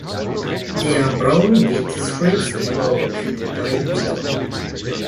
They are brown with streaks above and white below.